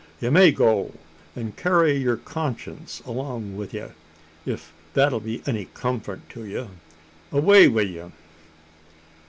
Ye may go an' carry yur conscience along wi' ye ef that 'll be any comfort to ye. Away wi' ye!"